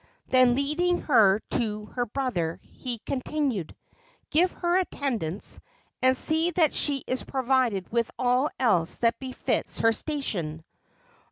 Then, leading her to her brother, he continued: "Give her attendants, and see that she is provided with all else that befits her station."